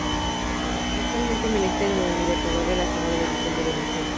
Actualmente milita en el Libertador de la Segunda División de Venezuela.